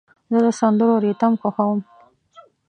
زه د سندرو ریتم خوښوم.